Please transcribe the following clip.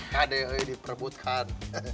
kd hei diperbutkan